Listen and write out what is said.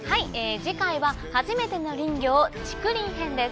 次回は「初めての林業竹林編」です。